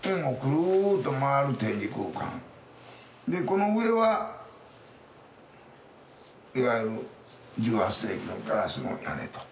でこの上はいわゆる１８世紀のガラスの屋根と。